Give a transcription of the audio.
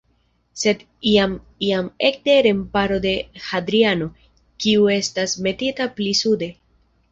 Sed iam jam ekde remparo de Hadriano, kiu estas metita pli sude.